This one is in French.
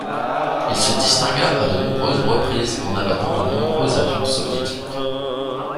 Il se distingua à de nombreuses reprises en abattant de nombreux avions soviétiques.